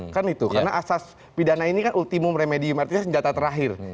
kan itu karena asas pidana ini kan ultimum remedium artinya senjata terakhir